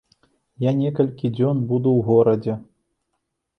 Я некалькі дзён буду ў горадзе.